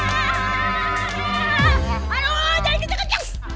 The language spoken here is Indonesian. aduh jangan kenceng kenceng